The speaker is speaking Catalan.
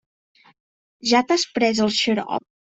Ja t'has pres el xarop?